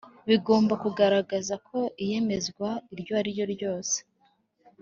Bigomba kugaragara ko iyemezwa iryo ariryo ryose